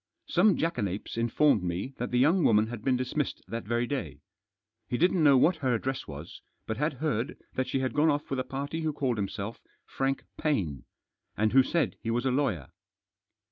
Some jackanapes informed me that the young woman had been dismissed that very day. He didn't know what her address was, but had heard that she had gone off with a party who called himself Frank Paine, and who said he was a lawyer.